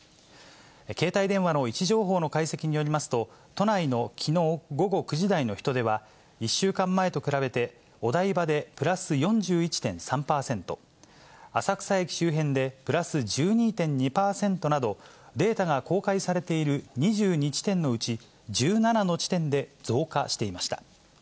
携帯電話の位置情報の解析によりますと、都内のきのう午後９時台の人出は、１週間前と比べてお台場でプラス４１．３％、浅草駅周辺でプラス１２．２％など、データが公開されている２２地点のうち１７の地点で増加していました。